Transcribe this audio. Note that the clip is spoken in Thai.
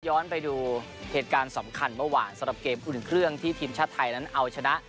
ย้อนไปดูเหตุการณ์สำคัญเมื่อวานสำหรับเกมอุ่นเครื่องที่ทีมชาติไทยนั้นเอาชนะ